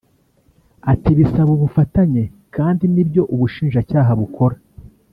Ati “Bisaba ubufatanye kandi nibyo ubushinjacyaha bukora